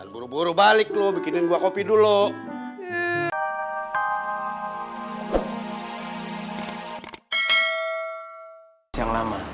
buru buru balik lo bikinin gua kopi dulu